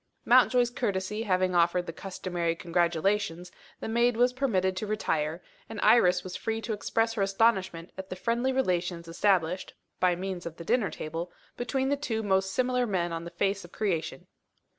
Mountjoy's courtesy having offered the customary congratulations, the maid was permitted to retire; and Iris was free to express her astonishment at the friendly relations established (by means of the dinner table) between the two most dissimilar men on the face of creation.